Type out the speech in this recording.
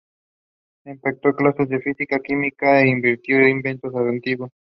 Impartió clases de física y química, e inventó diversos artilugios.